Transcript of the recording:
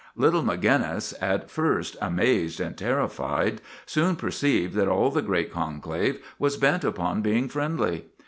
Little Maginnis, at first amazed and terrified, soon perceived that all the great conclave was bent upon being friendly.